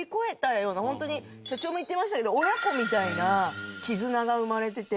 ホントに社長も言ってましたけど親子みたいな絆が生まれてて。